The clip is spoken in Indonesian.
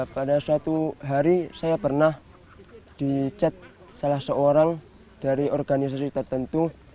pada suatu hari saya pernah dicet salah seorang dari organisasi tertentu